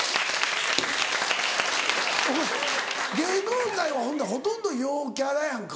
お前芸能界はほんでほとんど陽キャラやんか。